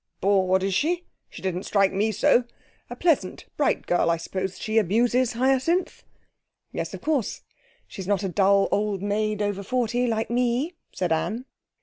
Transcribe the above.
'Bored, is she? She didn't strike me so. A pleasant, bright girl. I suppose she amuses Hyacinth?' 'Yes; of course, she's not a dull old maid over forty, like me,' said Anne.